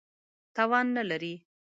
توان نه لري.